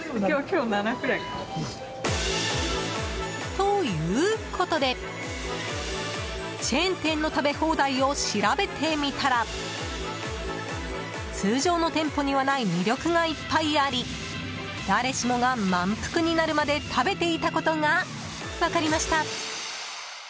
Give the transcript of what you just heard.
ということで、チェーン店の食べ放題を調べてみたら通常の店舗にはない魅力がいっぱいあり誰しもが満腹になるまで食べていたことが分かりました。